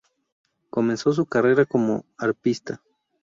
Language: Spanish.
Comenzó su carrera como arpista.